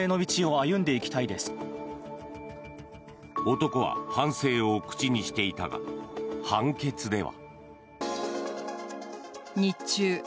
男は反省を口にしていたが判決では。